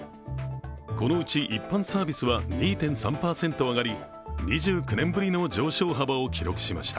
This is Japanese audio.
このうち一般サービスは２．３％上がり、２９年ぶりの上昇幅を記録しました。